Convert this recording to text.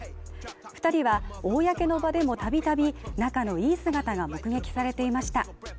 ２人は公の場でもたびたび仲のいい姿が目撃されていました。